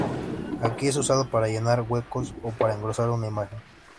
Aquí es usado para llenar huecos o para engrosar una imagen.